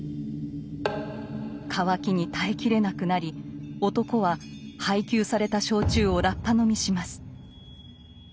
渇きに耐えきれなくなり男は配給された焼酎をラッパ飲みします。